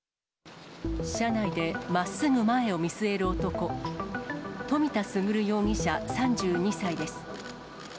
車内でまっすぐ前を見据える男、冨田賢容疑者３２歳です。